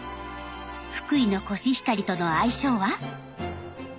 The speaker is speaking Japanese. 福井のコシヒカリとの相性は？